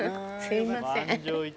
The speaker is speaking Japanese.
すいません